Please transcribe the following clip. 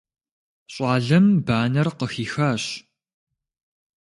Щӏалэм банэр къыхихащ.